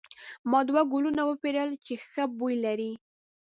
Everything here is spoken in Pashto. ما دوه ګلونه وپیرل چې ښه بوی لري.